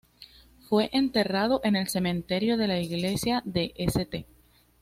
Fue enterrado en el Cementerio de la iglesia de St.